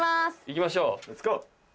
行きましょう。